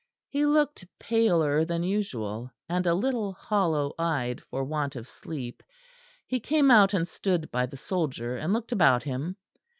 He looked paler than usual; and a little hollow eyed for want of sleep. He came out and stood by the soldier, and looked about him.